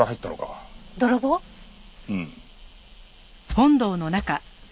うん。